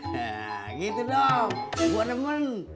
hah gitu dong gue nemen